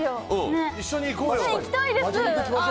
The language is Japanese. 一緒に行きたいです。